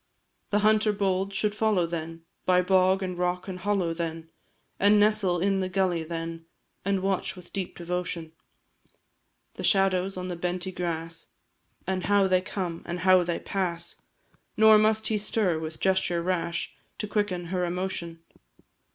The hunter bold should follow then, By bog, and rock, and hollow, then, And nestle in the gulley, then, And watch with deep devotion The shadows on the benty grass, And how they come, and how they pass; Nor must he stir, with gesture rash, To quicken her emotion.